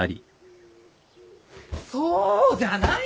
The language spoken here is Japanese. そうじゃない！